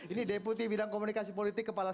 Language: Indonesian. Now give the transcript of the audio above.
ini deputi bidang komunikasi politik kepala